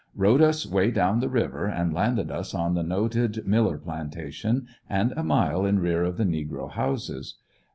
Rowed us way down the river and landed us on the noted Miller plantation and a mile in rear of the negro houses.